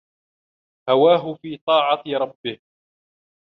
هَوَاهُ فِي طَاعَةِ رَبِّهِ